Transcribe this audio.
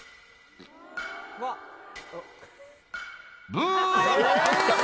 ブー！